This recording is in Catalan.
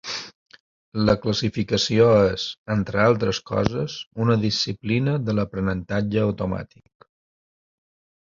La classificació és, entre altres coses, una disciplina de l'aprenentatge automàtic.